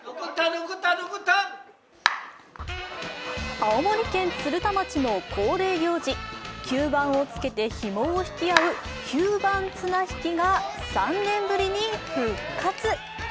青森県鶴田町の恒例行事、吸盤をつけて引き合う吸盤綱引きが３年ぶりに復活。